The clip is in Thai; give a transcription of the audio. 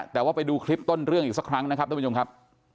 แต่ว่าไปดูคลิปต้นเรื่องอีกสักครั้งนะครับทุกผู้ชมครับ